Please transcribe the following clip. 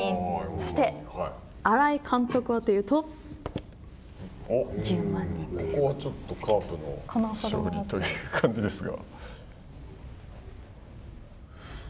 そして、新井監督はというと、１ここはちょっとカープの勝利という感じですが。